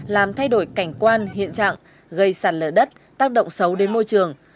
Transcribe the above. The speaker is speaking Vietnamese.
làm thay đổi cảnh quan hiện trạng gây sản lỡ đất tác động xấu đến môi trường